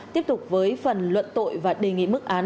tiếp tục với phần luận tội và đề nghị mức án